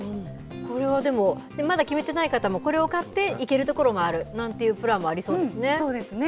これはでも、まだ決めてない方も、これを買って、行ける所もあるなんていうプランもありそうですね。